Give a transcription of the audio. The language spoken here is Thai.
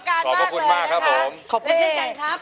ขอบคุณสิกันครับ